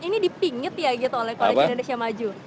ini dipinget ya gitu oleh kolej indonesia maju